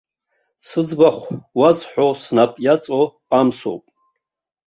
Сыӡбахә уазҳәо снап иаҵоу амсоуп.